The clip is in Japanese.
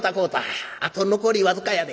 あと残り僅かやで。